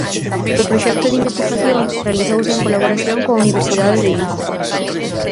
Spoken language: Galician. O proxecto de investigación realizouse en colaboración coa Universidade de Vigo.